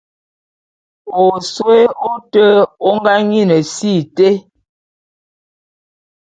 Osôé ôte ô ngá nyin si été.